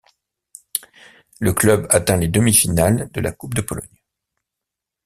Le club atteint les demi-finales de la Coupe de Pologne.